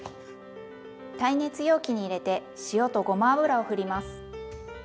耐熱容器に入れて塩とごま油をふります。